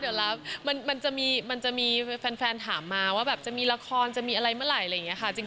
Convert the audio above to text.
เดี๋ยวแล้วมันจะมีแฟนถามมาว่าแบบจะมีละครจะมีอะไรเมื่อไหร่อะไรอย่างนี้ค่ะ